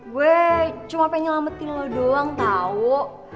gue cuma pengen nyelamatin lo doang tau